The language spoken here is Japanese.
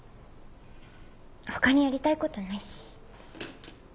他にやりたいことないし。